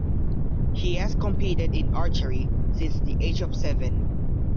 He has competed in archery since the age of seven.